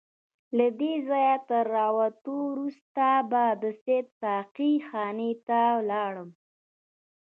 له دې ځایه تر راوتو وروسته به سیده ساقي خانې ته ولاړم.